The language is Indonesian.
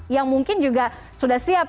yang mungkin juga sudah siap